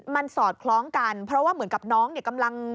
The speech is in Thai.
มันสอดคล้องกันเพราะว่าเหมือนกับน้องเนี่ยกำลัง